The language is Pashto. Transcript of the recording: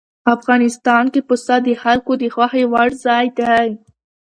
افغانستان کې پسه د خلکو د خوښې وړ ځای دی.